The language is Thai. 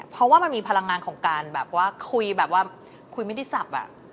เพราะว่ามันมีพลังงานของการแบบว่าคุยแบบว่าคุยไม่ได้สับ